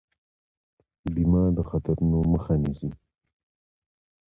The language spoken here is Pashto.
بیمه د خطرونو مخه نیسي.